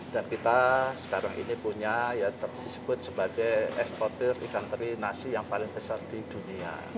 dan kita sekarang ini punya ya terdisebut sebagai eksporter ikan teri nasi yang paling besar di dunia